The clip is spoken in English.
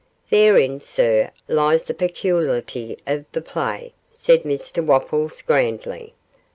'Therein, sir, lies the peculiarity of the play,' said Mr Wopples, grandly.